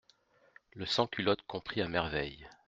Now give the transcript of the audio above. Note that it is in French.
Le sans-culotte comprit à merveille.